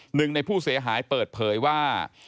หนึ่งในผู้เสียหายเปิดเผยว่า